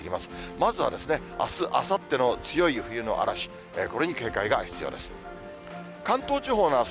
まずは、あす、あさっての強い冬の嵐、これに警戒が必要です。